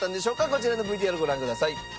こちらのＶＴＲご覧ください。